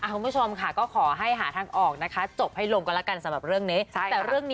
คุณผู้ชมค่ะก็ขอให้หาทางออกนะคะจบให้ลงกันแล้วกันสำหรับเรื่องนี้